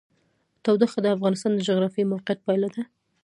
تودوخه د افغانستان د جغرافیایي موقیعت پایله ده.